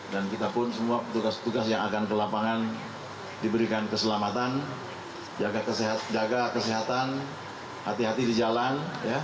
dan kita pun semua petugas petugas yang akan ke lapangan diberikan keselamatan jaga kesehatan hati hati di jalan